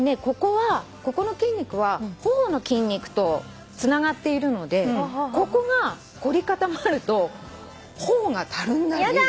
ここはここの筋肉は頬の筋肉とつながっているのでここが凝り固まると頬がたるんだり。